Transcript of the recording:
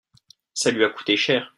ça lui a coûté cher.